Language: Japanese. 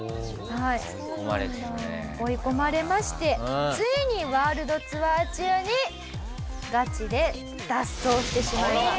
追い込まれましてついにワールドツアー中にガチで脱走してしまいます。